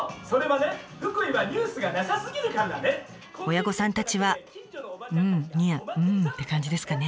親御さんたちはうんニヤッうんって感じですかね。